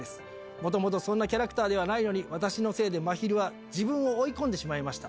もともとそんなキャラクターではないのに、私のせいでまひるは自分を追い込んでしまいました。